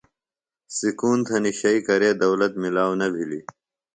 سکون تھنیۡ شئی کرے دولت ملاو نہ بھِلیۡ۔